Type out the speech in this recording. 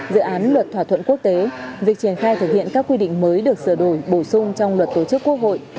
dự án luật thỏa thuận quốc tế việc triển khai thực hiện các quy định mới được sửa đổi bổ sung trong luật tổ chức quốc hội